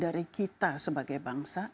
dari kita sebagai bangsa